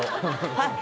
はい。